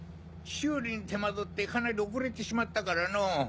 修理に手間取ってかなり遅れてしまったからのぉ。